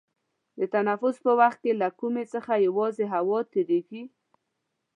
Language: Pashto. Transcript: د تنفس په وخت کې له کومي څخه یوازې هوا تیرېږي.